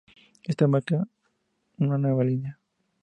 Este marca una nueva línea.